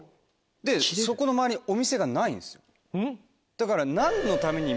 だから。